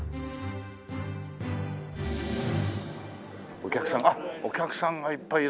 お客さんあっお客さんがいっぱいで。